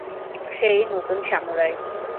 সে ই নতুন সামুরাই।